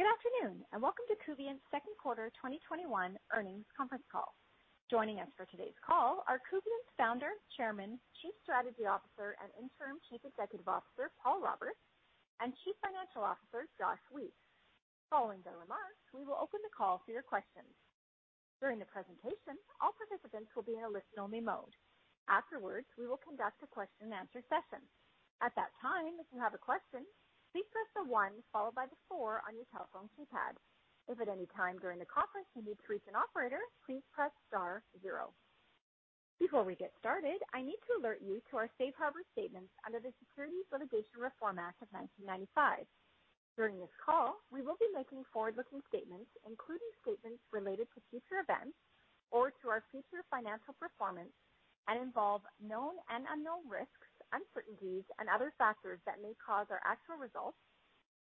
Good afternoon, and welcome to Kubient's second quarter 2021 earnings conference call. Joining us for today's call are Kubient's Founder, Chairman, Chief Strategy Officer, and Interim Chief Executive Officer, Paul Roberts, and Chief Financial Officer, Josh Weiss. Following their remarks, we will open the call for your questions. During the presentation, all participants will be in a listen-only mode. Afterwards, we will conduct a question and answer session. At that time, if you have a question, please press one followed by four on your telephone keypad. If at any time during the conference you need to reach an operator, please press star zero. Before we get started, I need to alert you to our safe harbor statements under the Private Securities Litigation Reform Act of 1995. During this call, we will be making forward-looking statements, including statements related to future events or to our future financial performance, and involve known and unknown risks, uncertainties, and other factors that may cause our actual results,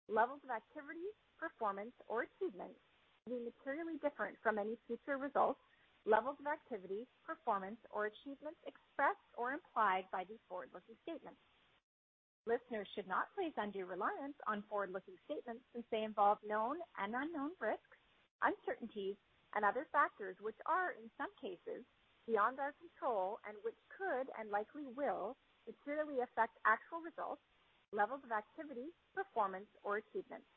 levels of activities, performance, or achievements to be materially different from any future results, levels of activities, performance, or achievements expressed or implied by these forward-looking statements. Listeners should not place undue reliance on forward-looking statements since they involve known and unknown risks, uncertainties and other factors which are, in some cases, beyond our control and which could and likely will materially affect actual results, levels of activity, performance or achievements.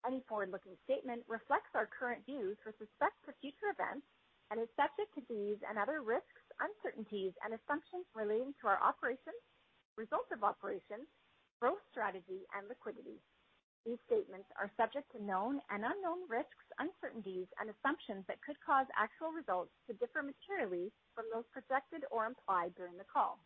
Any forward-looking statement reflects our current views with respect to future events and is subject to these and other risks, uncertainties and assumptions relating to our operations, results of operations, growth strategy and liquidity. These statements are subject to known and unknown risks, uncertainties and assumptions that could cause actual results to differ materially from those projected or implied during the call.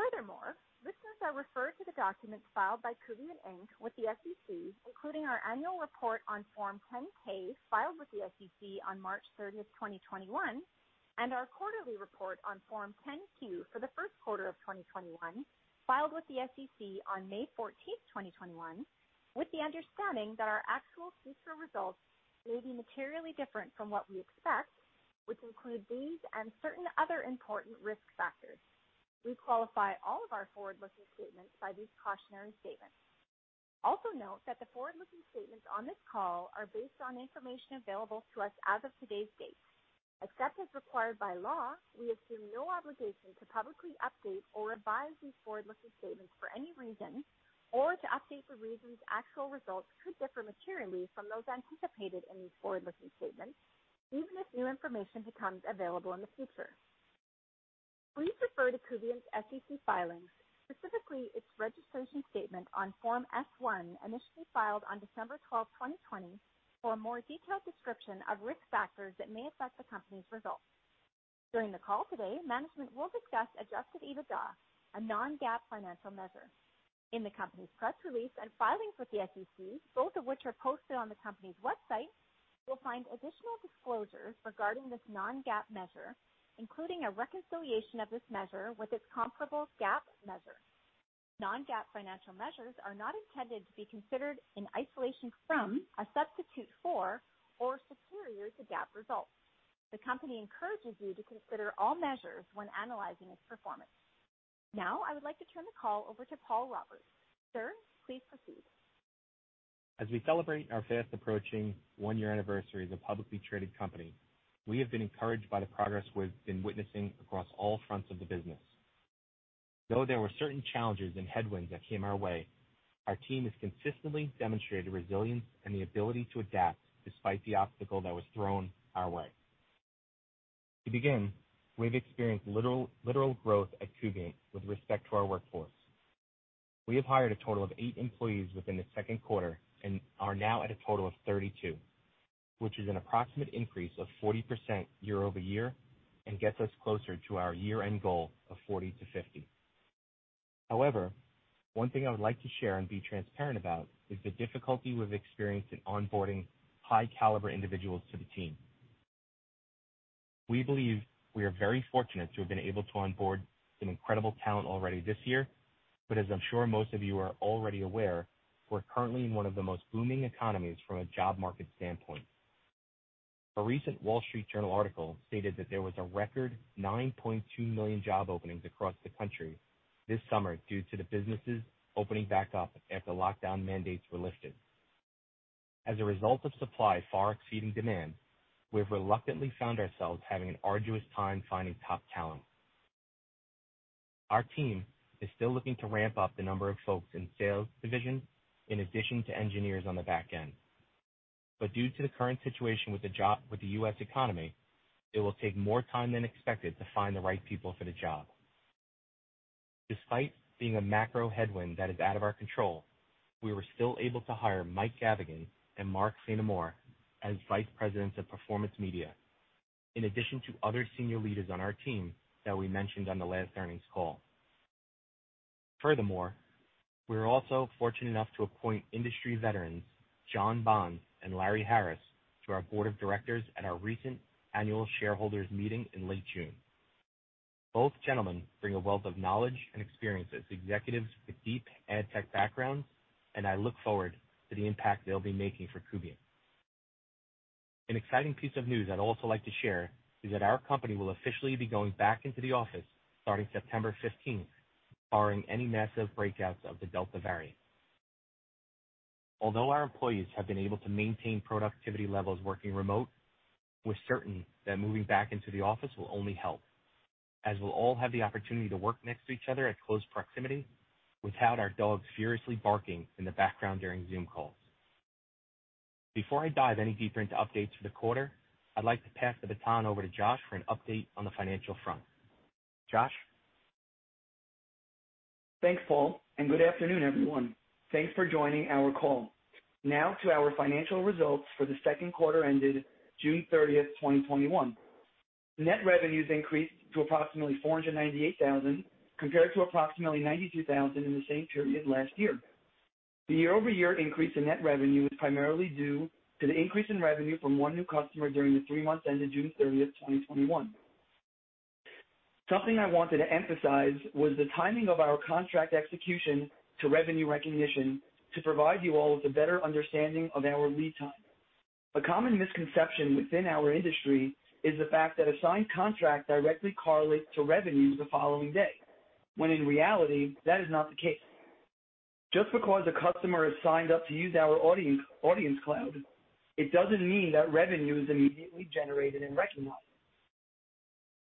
Furthermore, listeners are referred to the documents filed by Kubient, Inc. with the SEC, including our annual report on Form 10-K filed with the SEC on March 30th, 2021, and our quarterly report on Form 10-Q for the first quarter of 2021, filed with the SEC on May 14th, 2021, with the understanding that our actual future results may be materially different from what we expect, which include these and certain other important risk factors. We qualify all of our forward-looking statements by these cautionary statements. Also note that the forward-looking statements on this call are based on information available to us as of today's date. Except as required by law, we assume no obligation to publicly update or revise these forward-looking statements for any reason, or to update for reasons actual results could differ materially from those anticipated in these forward-looking statements, even if new information becomes available in the future. Please refer to Kubient's SEC filings, specifically its registration statement on Form S-1, initially filed on December 12th, 2020, for a more detailed description of risk factors that may affect the company's results. During the call today, management will discuss adjusted EBITDA, a non-GAAP financial measure. In the company's press release and filings with the SEC, both of which are posted on the company's website, you will find additional disclosures regarding this non-GAAP measure, including a reconciliation of this measure with its comparable GAAP measure. Non-GAAP financial measures are not intended to be considered in isolation from, a substitute for, or superior to GAAP results. The company encourages you to consider all measures when analyzing its performance. Now, I would like to turn the call over to Paul Roberts. Sir, please proceed. As we celebrate our fast-approaching one-year anniversary as a publicly traded company, we have been encouraged by the progress we've been witnessing across all fronts of the business. Though there were certain challenges and headwinds that came our way, our team has consistently demonstrated resilience and the ability to adapt despite the obstacle that was thrown our way. To begin, we've experienced literal growth at Kubient with respect to our workforce. We have hired a total of eight employees within the second quarter and are now at a total of 32, which is an approximate increase of 40% year-over-year and gets us closer to our year-end goal of 40 to 50. However, one thing I would like to share and be transparent about is the difficulty we've experienced in onboarding high-caliber individuals to the team. We believe we are very fortunate to have been able to onboard some incredible talent already this year, as I'm sure most of you are already aware, we're currently in one of the most booming economies from a job market standpoint. A recent The Wall Street Journal article stated that there was a record 9.2 million job openings across the country this summer due to the businesses opening back up after lockdown mandates were lifted. As a result of supply far exceeding demand, we've reluctantly found ourselves having an arduous time finding top talent. Our team is still looking to ramp up the number of folks in sales division in addition to engineers on the back end. Due to the current situation with the U.S. economy, it will take more time than expected to find the right people for the job. Despite being a macro headwind that is out of our control, we were still able to hire Mike Gavigan and Mark St. Amour as Vice Presidents of Performance Media, in addition to other senior leaders on our team that we mentioned on the last earnings call. Furthermore, we were also fortunate enough to appoint industry veterans Jon Bond and Larry Harris to our Board of Directors at our recent Annual Shareholders Meeting in late June. Both gentlemen bring a wealth of knowledge and experience as executives with deep ad tech backgrounds, and I look forward to the impact they'll be making for Kubient. An exciting piece of news I'd also like to share is that our company will officially be going back into the office starting September 15th, barring any massive breakouts of the Delta variant. Although our employees have been able to maintain productivity levels working remote, we're certain that moving back into the office will only help, as we'll all have the opportunity to work next to each other at close proximity without our dogs furiously barking in the background during Zoom calls. Before I dive any deeper into updates for the quarter, I'd like to pass the baton over to Josh for an update on the financial front. Josh? Thanks, Paul, and good afternoon, everyone. Thanks for joining our call. Now to our financial results for the second quarter ended June 30th, 2021. Net revenues increased to approximately $498,000 compared to approximately $92,000 in the same period last year. The year-over-year increase in net revenue is primarily due to the increase in revenue from one new customer during the three months ended June 30th, 2021. Something I wanted to emphasize was the timing of our contract execution to revenue recognition to provide you all with a better understanding of our lead time. A common misconception within our industry is the fact that a signed contract directly correlates to revenue the following day, when in reality, that is not the case. Just because a customer has signed up to use our Audience Cloud, it doesn't mean that revenue is immediately generated and recognized.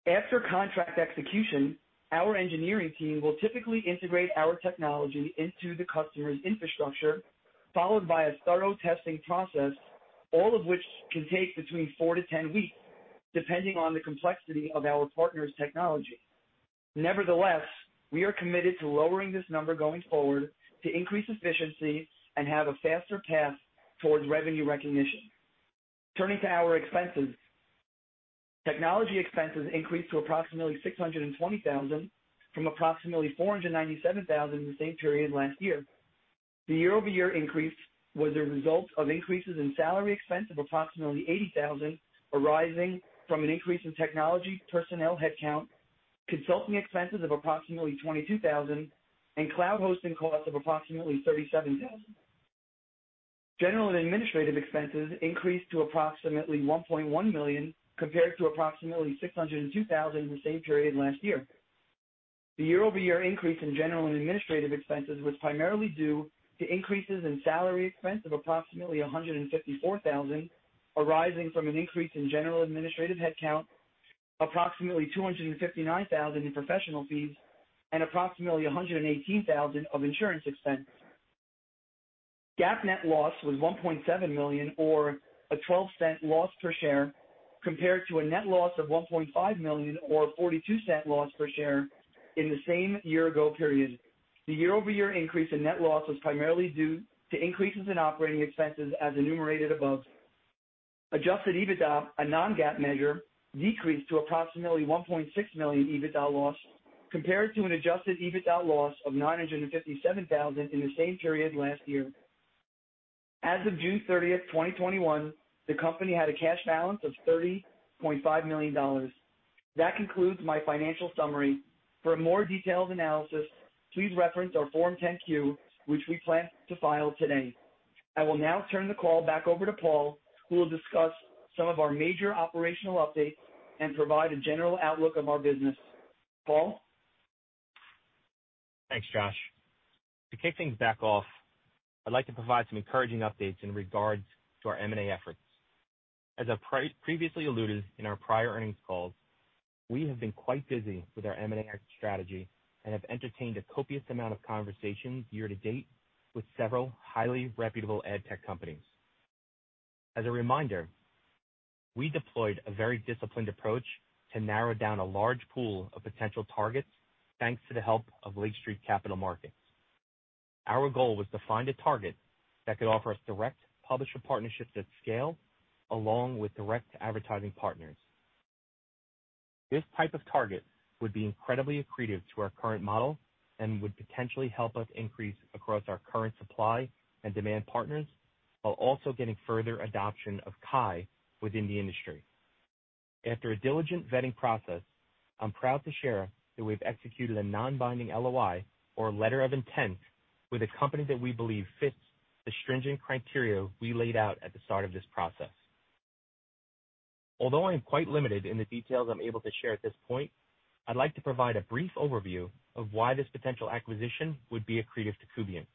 After contract execution, our engineering team will typically integrate our technology into the customer's infrastructure, followed by a thorough testing process, all of which can take between 4 to 10 weeks depending on the complexity of our partner's technology. Nevertheless, we are committed to lowering this number going forward to increase efficiency and have a faster path towards revenue recognition. Turning to our expenses. Technology expenses increased to approximately $620,000 from approximately $497,000 in the same period last year. The year-over-year increase was a result of increases in salary expense of approximately $80,000 arising from an increase in technology personnel headcount, consulting expenses of approximately $22,000, and cloud hosting costs of approximately $37,000. General and administrative expenses increased to approximately $1.1 million compared to approximately $602,000 in the same period last year. The year-over-year increase in general and administrative expenses was primarily due to increases in salary expense of approximately $154,000 arising from an increase in general administrative headcount, approximately $259,000 in professional fees, and approximately $118,000 of insurance expense. GAAP net loss was $1.7 million or a $0.12 loss per share, compared to a net loss of $1.5 million or a $0.42 loss per share in the same year-ago period. The year-over-year increase in net loss was primarily due to increases in operating expenses as enumerated above. Adjusted EBITDA, a non-GAAP measure, decreased to approximately $1.6 million EBITDA loss compared to an Adjusted EBITDA loss of $957,000 in the same period last year. As of June 30th, 2021, the company had a cash balance of $30.5 million. That concludes my financial summary. For a more detailed analysis, please reference our Form 10-Q, which we plan to file today. I will now turn the call back over to Paul, who will discuss some of our major operational updates and provide a general outlook of our business. Paul? Thanks, Josh. To kick things back off, I'd like to provide some encouraging updates in regards to our M&A efforts. As I've previously alluded in our prior earnings calls, we have been quite busy with our M&A strategy and have entertained a copious amount of conversations year to date with several highly reputable ad tech companies. As a reminder, we deployed a very disciplined approach to narrow down a large pool of potential targets, thanks to the help of Lake Street Capital Markets. Our goal was to find a target that could offer us direct publisher partnerships at scale, along with direct advertising partners. This type of target would be incredibly accretive to our current model and would potentially help us increase across our current supply and demand partners while also getting further adoption of KAI within the industry. After a diligent vetting process, I'm proud to share that we've executed a non-binding LOI, or letter of intent, with a company that we believe fits the stringent criteria we laid out at the start of this process. Although I am quite limited in the details I'm able to share at this point, I'd like to provide a brief overview of why this potential acquisition would be accretive to Kubient.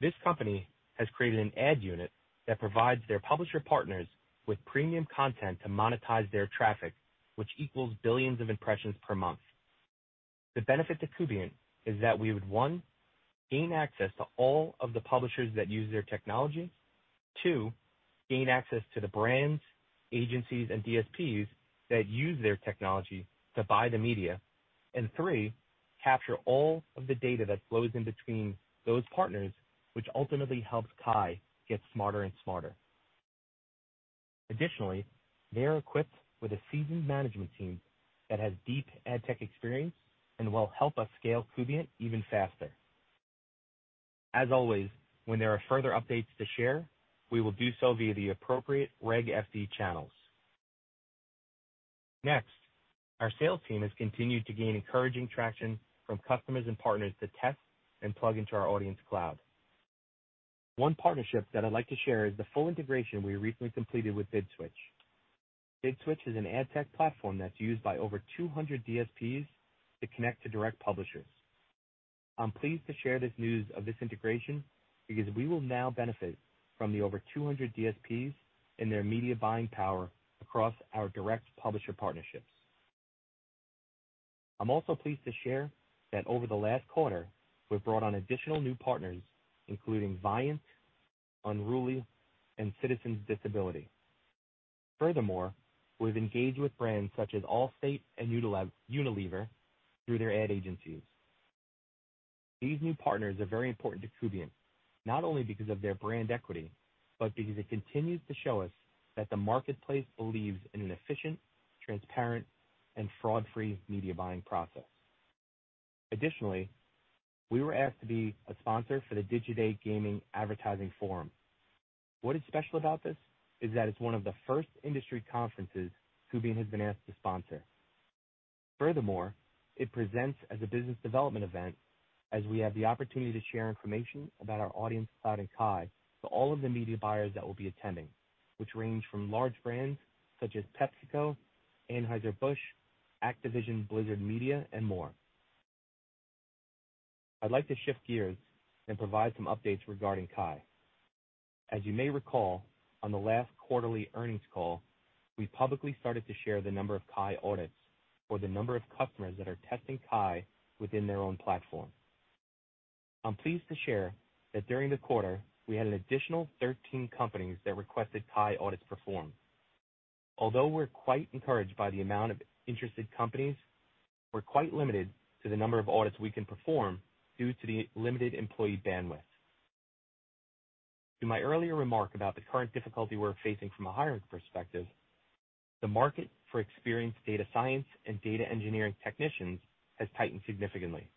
This company has created an ad unit that provides their publisher partners with premium content to monetize their traffic, which equals billions of impressions per month. The benefit to Kubient is that we would, one, gain access to all of the publishers that use their technology, two, gain access to the brands, agencies, and DSPs that use their technology to buy the media, and three, capture all of the data that flows in between those partners, which ultimately helps KAI get smarter and smarter. Additionally, they are equipped with a seasoned management team that has deep ad tech experience and will help us scale Kubient even faster. As always, when there are further updates to share, we will do so via the appropriate Reg FD channels. Next, our sales team has continued to gain encouraging traction from customers and partners to test and plug into our Audience Cloud. One partnership that I'd like to share is the full integration we recently completed with BidSwitch. BidSwitch is an ad tech platform that's used by over 200 DSPs to connect to direct publishers. I'm pleased to share this news of this integration because we will now benefit from the over 200 DSPs and their media buying power across our direct publisher partnerships. I'm also pleased to share that over the last quarter, we've brought on additional new partners, including Viant, Unruly, and Citizens Disability. We've engaged with brands such as Allstate and Unilever through their ad agencies. These new partners are very important to Kubient, not only because of their brand equity, but because it continues to show us that the marketplace believes in an efficient, transparent, and fraud-free media buying process. Additionally we were asked to be a sponsor for the Digiday Gaming Advertising Forum. What is special about this is that it's one of the first industry conferences Kubient has been asked to sponsor. Furthermore, it presents as a business development event as we have the opportunity to share information about our Audience Cloud and KAI to all of the media buyers that will be attending, which range from large brands such as PepsiCo, Anheuser-Busch, Activision Blizzard Media, and more. I'd like to shift gears and provide some updates regarding KAI. As you may recall, on the last quarterly earnings call, we publicly started to share the number of KAI audits or the number of customers that are testing KAI within their own platform. I'm pleased to share that during the quarter, we had an additional 13 companies that requested KAI audits performed. Although we're quite encouraged by the amount of interested companies, we're quite limited to the number of audits we can perform due to the limited employee bandwidth. To my earlier remark about the current difficulty we're facing from a hiring perspective, the market for experienced data science and data engineering technicians has tightened significantly.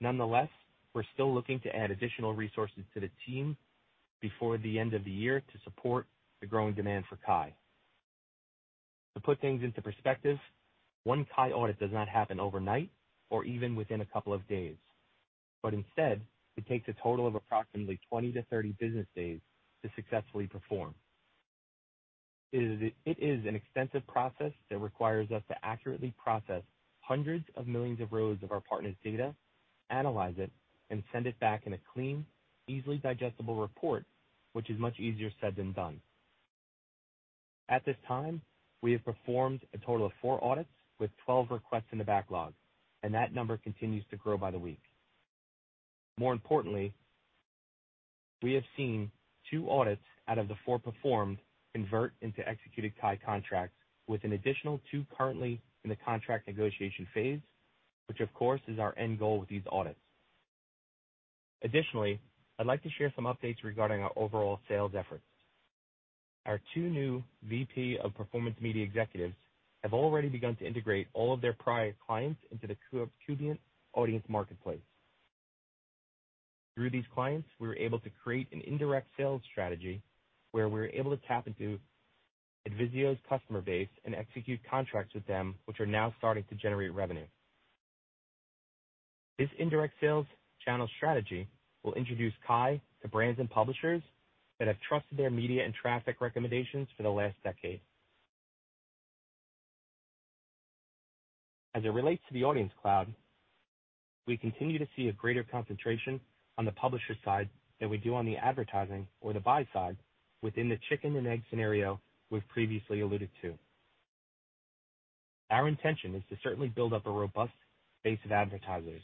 Nonetheless, we're still looking to add additional resources to the team before the end of the year to support the growing demand for KAI. To put things into perspective, one KAI audit does not happen overnight or even within a couple of days. Instead, it takes a total of approximately 20 to 30 business days to successfully perform. It is an extensive process that requires us to accurately process hundreds of millions of rows of our partners' data, analyze it, and send it back in a clean, easily digestible report, which is much easier said than done. At this time, we have performed a total of four audits with 12 requests in the backlog. That number continues to grow by the week. More importantly, we have seen two audits out of the four performed convert into executed KAI contracts with an additional two currently in the contract negotiation phase, which, of course, is our end goal with these audits. Additionally, I'd like to share some updates regarding our overall sales efforts. Our two new VP of Performance Media executives have already begun to integrate all of their prior clients into the Kubient Audience Marketplace. Through these clients, we were able to create an indirect sales strategy where we're able to tap into Adviso's customer base and execute contracts with them, which are now starting to generate revenue. This indirect sales channel strategy will introduce KAI to brands and publishers that have trusted their media and traffic recommendations for the last decade. As it relates to the Audience Cloud, we continue to see a greater concentration on the publisher side than we do on the advertising or the buy side within the chicken and egg scenario we've previously alluded to. Our intention is to certainly build up a robust base of advertisers,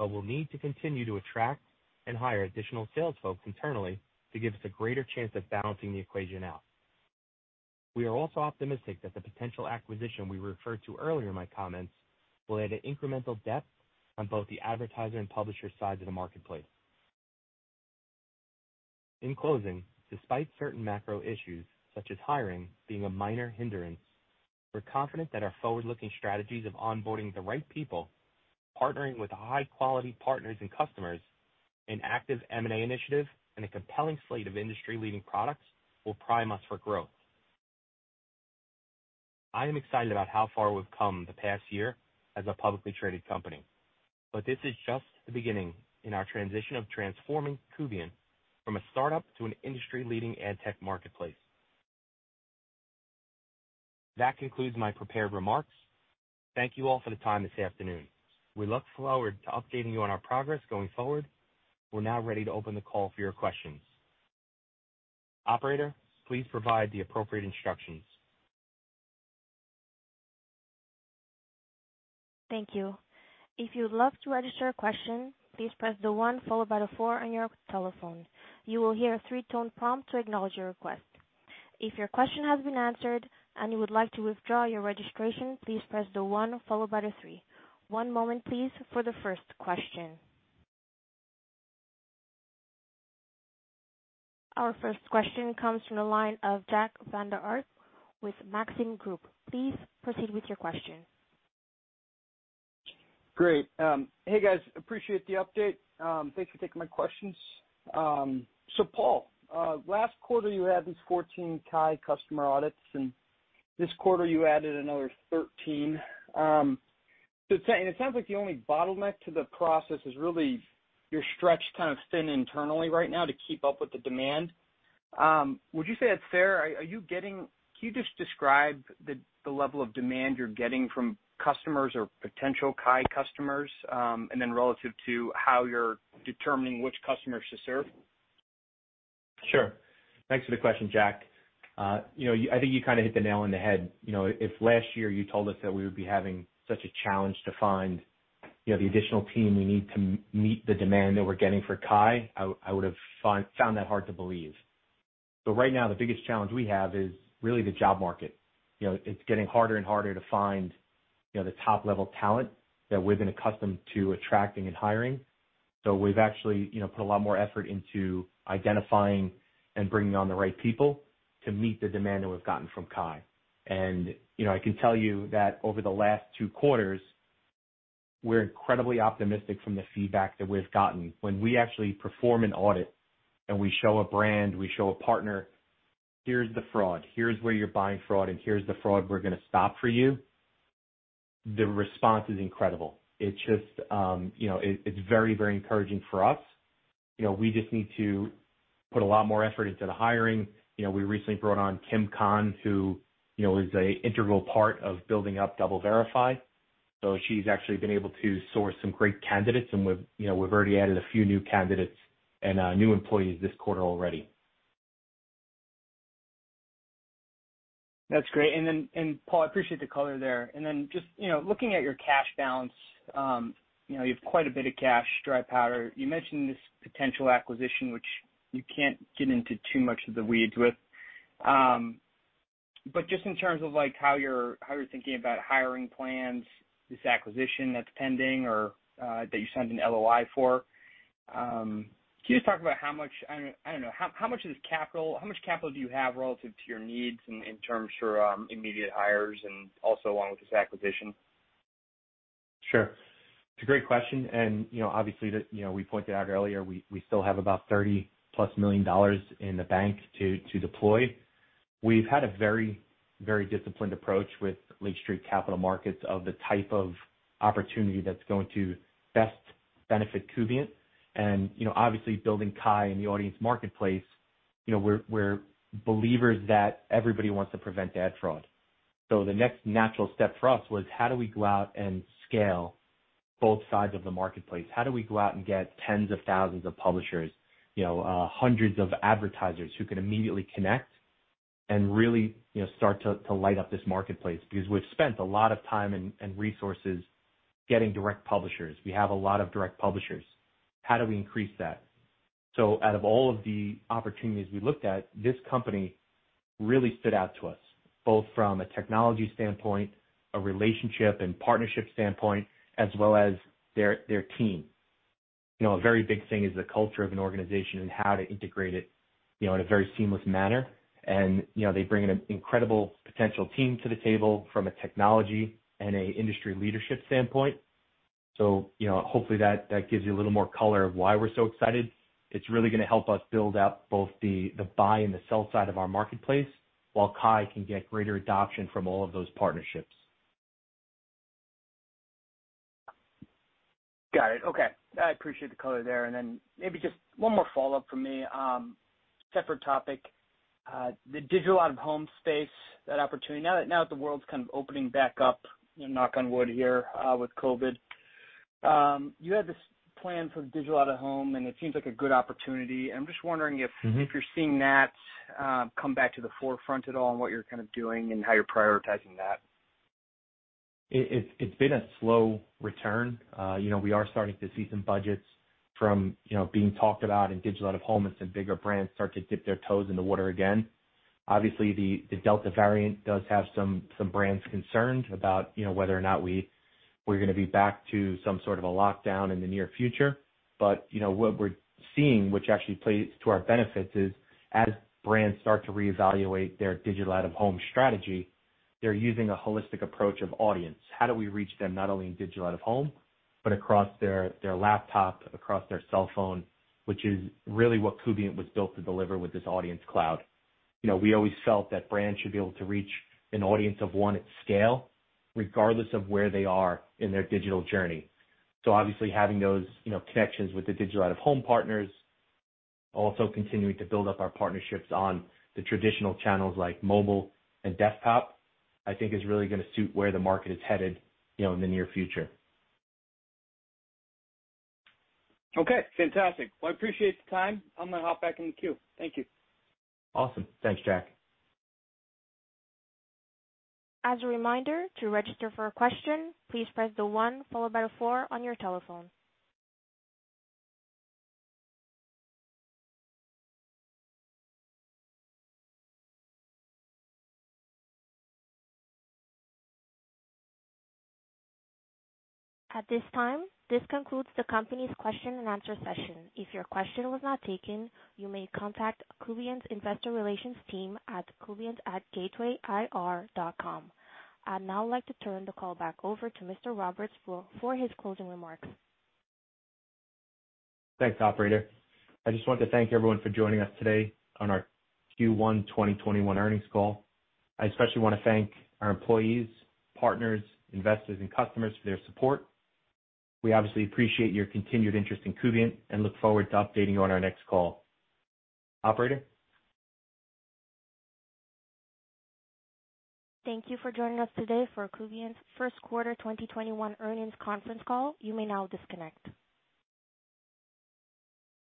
but we'll need to continue to attract and hire additional sales folks internally to give us a greater chance of balancing the equation out. We are also optimistic that the potential acquisition we referred to earlier in my comments will add an incremental depth on both the advertiser and publisher sides of the marketplace. In closing, despite certain macro issues such as hiring being a minor hindrance, we're confident that our forward-looking strategies of onboarding the right people, partnering with high-quality partners and customers, an active M&A initiative, and a compelling slate of industry-leading products will prime us for growth. I am excited about how far we've come the past year as a publicly traded company. This is just the beginning in our transition of transforming Kubient from a startup to an industry-leading ad tech marketplace. That concludes my prepared remarks. Thank you all for the time this afternoon. We look forward to updating you on our progress going forward. We're now ready to open the call for your questions. Operator, please provide the appropriate instructions. Thank you. If you want to register a question please press the one followed by the four on your telephone. You will hear a three tone prompt to acknowledge your request. If your question has been answered and you would like to withdraw your registration, please press the one followed by the three. One moment, please, for the first question. Our first question comes from the line of Jack Vander Aarde with Maxim Group. Please proceed with your question. Great. Hey, guys. Appreciate the update. Thanks for taking my questions so Paul, last quarter you had these 14 KAI customer audits, and this quarter you added another 13. It sounds like the only bottleneck to the process is really you're stretched kind of thin internally right now to keep up with the demand. Would you say that's fair? Can you just describe the level of demand you're getting from customers or potential KAI customers, and then relative to how you're determining which customers to serve? Sure. Thanks for the question, Jack. I think you kind of hit the nail on the head. If last year you told us that we would be having such a challenge to find the additional team we need to meet the demand that we're getting for KAI, I would've found that hard to believe but right now, the biggest challenge we have is really the job market. It's getting harder and harder to find the top-level talent that we've been accustomed to attracting and hiring. We've actually put a lot more effort into identifying and bringing on the right people to meet the demand that we've gotten from KAI. I can tell you that over the last two quarters, we're incredibly optimistic from the feedback that we've gotten. When we actually perform an audit and we show a brand, we show a partner, here's the fraud, here's where you're buying fraud, and here's the fraud we're gonna stop for you, the response is incredible. It's very, very encouraging for us. We just need to put a lot more effort into the hiring. We recently brought on Kim Kahn, who is a integral part of building up DoubleVerify. She's actually been able to source some great candidates, and we've already added a few new candidates and new employees this quarter already. That's great. Paul, I appreciate the color there. Just looking at your cash balance, you have quite a bit of cash dry powder. You mentioned this potential acquisition, which you can't get into too much of the weeds with. Just in terms of how you're thinking about hiring plans, this acquisition that's pending or that you signed an LOI for, can you just talk about how much capital do you have relative to your needs in terms for immediate hires and also along with this acquisition? Sure. It's a great question. Obviously, we pointed out earlier, we still have about $30+million in the bank to deploy. We've had a very, very disciplined approach with Lake Street Capital Markets of the type of opportunity that's going to best benefit Kubient. Obviously building KAI in the Audience Marketplace, we're believers that everybody wants to prevent ad fraud. The next natural step for us was how do we go out and scale both sides of the marketplace? How do we go out and get tens of thousands of publishers, hundreds of advertisers who can immediately connect and really start to light up this marketplace? We've spent a lot of time and resources getting direct publishers. We have a lot of direct publishers. How do we increase that? Out of all of the opportunities we looked at, this company really stood out to us, both from a technology standpoint, a relationship and partnership standpoint, as well as their team. A very big thing is the culture of an organization and how to integrate it in a very seamless manner. They bring an incredible potential team to the table from a technology and a industry leadership standpoint. Hopefully that gives you a little more color of why we're so excited. It's really gonna help us build out both the buy and the sell side of our marketplace, while KAI can get greater adoption from all of those partnerships. Got it. Okay. I appreciate the color there. Maybe just one more follow-up from me. Separate topic. The digital out-of-home space, that opportunity. Now that the world's kind of opening back up, knock on wood here, with COVID. You had this plan for digital out-of-home, and it seems like a good opportunity. I'm just wondering if. You're seeing that come back to the forefront at all in what you're kind of doing and how you're prioritizing that? It's been a slow return. We are starting to see some budgets from being talked about in digital out-of-home as some bigger brands start to dip their toes in the water again. Obviously, the Delta variant does have some brands concerned about whether or not we're gonna be back to some sort of a lockdown in the near future. What we're seeing, which actually plays to our benefits, is as brands start to reevaluate their digital out-of-home strategy, they're using a holistic approach of audience. How do we reach them not only in digital out-of-home, but across their laptop, across their cell phone, which is really what Kubient was built to deliver with this Audience Cloud. We always felt that brands should be able to reach an audience of one at scale, regardless of where they are in their digital journey. Obviously having those connections with the digital out-of-home partners, also continuing to build up our partnerships on the traditional channels like mobile and desktop, I think is really gonna suit where the market is headed in the near future. Okay. Fantastic. Well, I appreciate the time. I'm gonna hop back in the queue. Thank you. Awesome. Thanks, Jack. As a reminder to register for a question, please press the one followed by the four on your telephone. At this time, this concludes the company's question and answer session. If your question was not taken, you may contact Kubient's investor relations team at kubient@gatewayir.com. I'd now like to turn the call back over to Mr. Roberts for his closing remarks. Thanks, operator. I just want to thank everyone for joining us today on our Q1 2021 earnings call. I especially want to thank our employees, partners, investors, and customers for their support. We obviously appreciate your continued interest in Kubient and look forward to updating you on our next call. Operator? Thank you for joining us today for Kubient's first quarter 2021 earnings conference call. You may now disconnect.